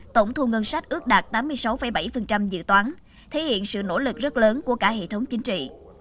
tổng thu ngân sách ước đạt tám mươi sáu bảy dự toán thể hiện sự nỗ lực rất lớn của cả hệ thống chính trị